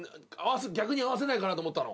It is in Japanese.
逆に合わせないかなと思ったの。